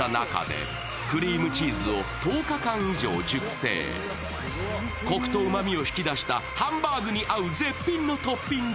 それがこくとうまみを引き出したハンバーグに合う絶品のトッピング。